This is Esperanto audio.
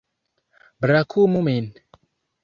Brakumu min.